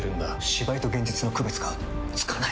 芝居と現実の区別がつかない！